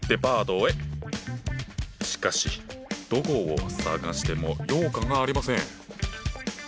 しかしどこを探しても羊羹がありません。